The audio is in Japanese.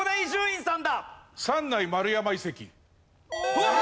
うわーっ！